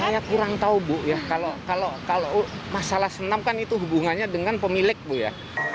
saya kurang tahu bu ya kalau masalah senam kan itu hubungannya dengan pemilik bu ya